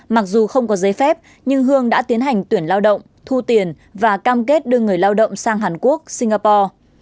mặc dù không có giấy phép nhưng hương đã tiến hành tuyển lao động thu tiền và cam kết đưa người lao động sang hàn quốc singapore